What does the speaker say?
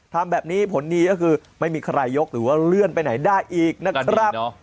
ทำแบบนี้ผลดีก็คือไม่มีใครยกหรือว่าเลื่อนไปไหนได้อีกนะครับ